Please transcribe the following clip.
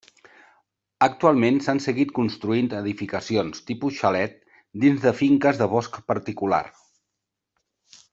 Actualment s'han seguit construint edificacions, tipus xalet, dins de finques de bosc particular.